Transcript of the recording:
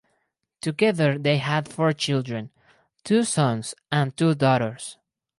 Together they had four children; two sons and two daughters.